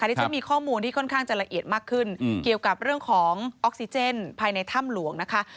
ที่ฉันมีข้อมูลที่ค่อนข้างจะละเอียดมากขึ้นเกี่ยวกับเรื่องของออกซิเจนภายในถ้ำหลวงนะคะ